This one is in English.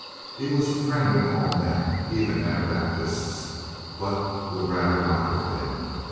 He was the friend of all men, even Anabaptists, but would rather not have been.